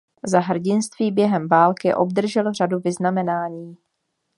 Za hrdinství během války obdržel řadu vyznamenání.